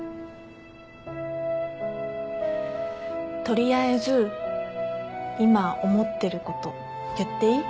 とりあえず今思ってること言っていい？